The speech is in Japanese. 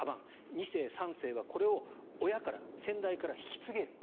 ２世、３世はこれを先代から引き継げると。